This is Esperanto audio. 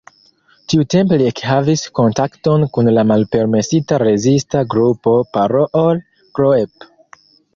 Tiutempe li ekhavis kontakton kun la malpermesita rezista grupo "Parool-groep".